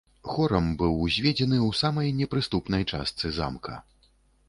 Хорам быў узведзены ў самай непрыступнай частцы замка.